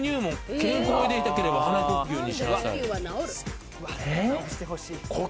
『健康でいたければ鼻呼吸にしなさい』。